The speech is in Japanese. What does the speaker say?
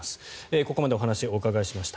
ここまでお話をお伺いしました。